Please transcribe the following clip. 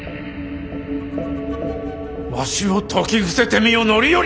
わしを説き伏せてみよ範頼！